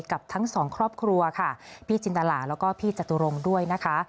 กับทั้งสองครอบครัวค่ะพี่จินตราแล้วก็พี่จตุรงค์ด้วยนะคะ